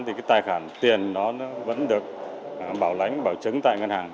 thì cái tài khoản tiền đó nó vẫn được bảo lãnh bảo chứng tại ngân hàng